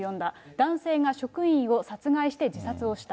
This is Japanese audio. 男性が職員を殺害して自殺をした。